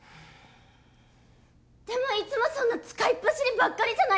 でもいつもそんな使いっ走りばっかりじゃないですか！